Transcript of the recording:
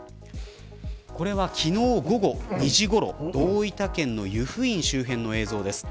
これは、昨日午後２時ごろ大分県の湯布院周辺の映像です。